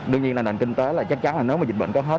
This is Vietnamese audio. đương nhiên là nền kinh tế là chắc chắn là nếu mà dịch bệnh có hết